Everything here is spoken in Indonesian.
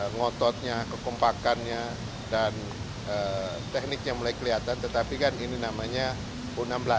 ngototnya kekompakannya dan tekniknya mulai kelihatan tetapi kan ini namanya u enam belas